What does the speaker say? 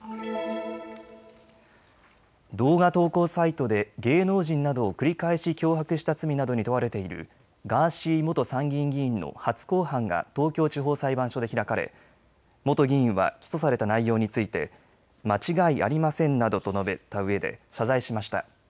動画投稿サイトで芸能人などを繰り返し脅迫した罪などに問われているガーシー元参議院議員の初公判が東京地方裁判所で開かれ元議員は起訴された内容について間違いありませんなどと述べたうえで謝罪しました。